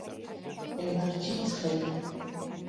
ელარჯი ცხელი